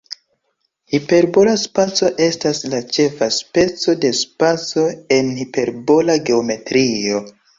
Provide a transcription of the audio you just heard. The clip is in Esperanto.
Hiperbola spaco estas la ĉefa speco de spaco en hiperbola geometrio.